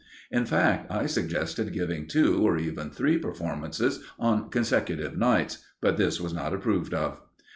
In fact, I suggested giving two, or even three, performances on consecutive nights, but this was not approved of.